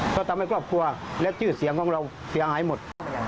เขาทำให้ครอบครัวเรัศจืดเสียงของเราเสียงหายหมด